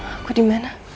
aku di mana